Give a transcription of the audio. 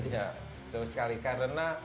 iya itu sekali karena